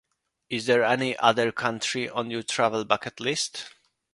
Is there any other country on your travel bucket list?